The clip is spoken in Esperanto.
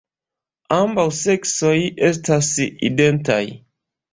Ambaŭ seksoj estas identaj.